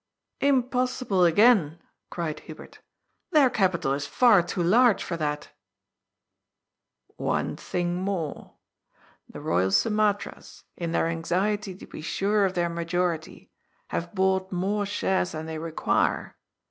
" Impossible again," cried Hubert ;" their capital is far too large for that !"" One thing more. The Royal Sumatras, in their anxi ety to be sure of their majority, have bought more shares 396 GOD'S POOL. than they require.